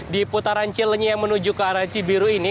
di putaran cilenyi yang menuju ke arah cibiru ini